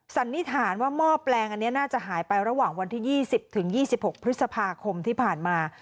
สันนิษฐานว่าหม้อแปลงอันนี้น่าจะหายไประหว่างวันที่๒๐ถึง๒๖พฤษภาคมที่ผ่านมา